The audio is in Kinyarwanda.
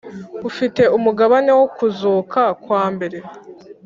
ufite umugabane wo kuzuka kwa mbere